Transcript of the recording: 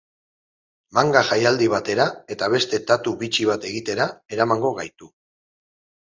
Manga jaialdi batera eta beste tatoo bitxi bat egitera eramango gaitu.